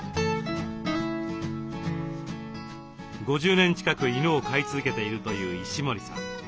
５０年近く犬を飼い続けているという石森さん。